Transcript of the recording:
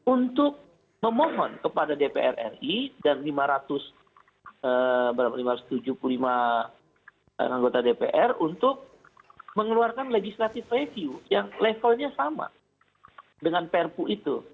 untuk memohon kepada dpr ri dan lima ratus tujuh puluh lima anggota dpr untuk mengeluarkan legislative review yang levelnya sama dengan perpu itu